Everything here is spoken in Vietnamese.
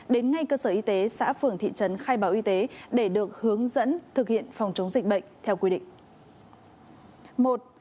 đến ngay cơ sở y tế xã phường thị trấn khai báo y tế để được hướng dẫn thực hiện phòng chống dịch bệnh theo quy định